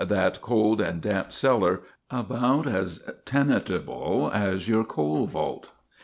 that cold and damp cellar, about as tenantable as your coal vault!